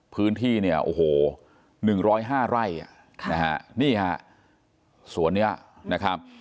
พื้นที่เนี่ยโอ้โหหนึ่งร้อยห้าไร่อ่ะนะฮะนี่ฮะสวนนี้นะครับ